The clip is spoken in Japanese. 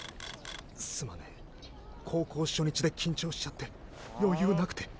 すまねえ高校初日で緊張しちゃって余裕なくて。